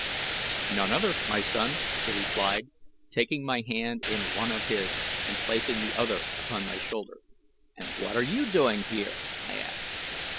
"None other, my son," he replied, taking my hand in one of his and placing the other upon my shoulder. "And what are you doing here?" I asked.